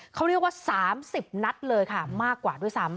เขาเรียกว่า๓๐นัดเลยค่ะมากกว่าด้วยซ้ำ